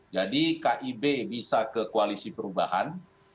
jadi kib bisa ke koalisi perubahan